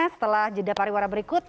setelah jeda pariwara berikut